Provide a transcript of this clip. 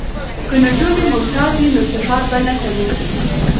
که نجونې ممتازې وي نو صفت به نه کمیږي.